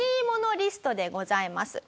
リストでございます。